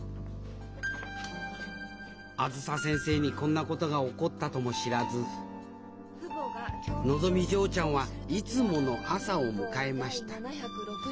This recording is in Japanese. あづさ先生にこんなことが起こったとも知らずのぞみ嬢ちゃんはいつもの朝を迎えました。